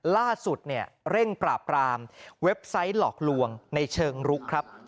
ล่าสุดเร่งปราบรามเว็บไซต์หลอกลวงในเชิงลุกครับ